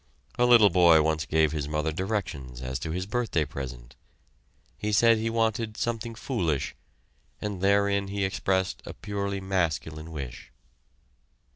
A little boy once gave his mother directions as to his birthday present he said he wanted "something foolish" and therein he expressed a purely masculine wish.